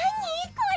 これ。